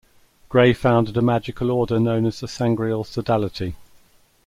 Gray founded a magical order known as the Sangreal Sodality.